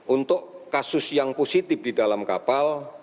untuk kasus yang positif di dalam kapal